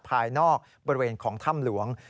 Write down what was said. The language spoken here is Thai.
ภายนอกบริเวณของถ้ำหลวง